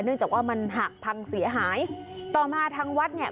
จากว่ามันหักพังเสียหายต่อมาทางวัดเนี่ย